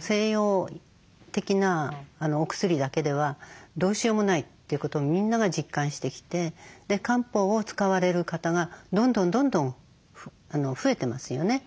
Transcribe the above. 西洋的なお薬だけではどうしようもないってことをみんなが実感してきて漢方を使われる方がどんどんどんどん増えてますよね。